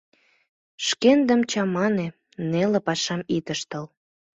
Шкендым чамане, неле пашам ит ыштыл...